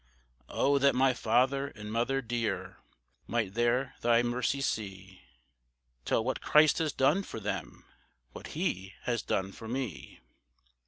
Oh, that my father and mother dear, Might there thy mercy see, Tell what Christ has done for them, What he has done for me.